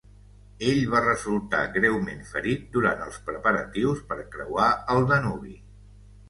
Ell va resultar greument ferit durant els preparatius per creuar el Danubi.